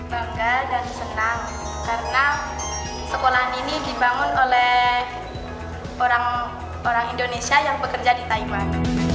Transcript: bangga dan senang karena sekolahan ini dibangun oleh orang indonesia yang bekerja di taiwan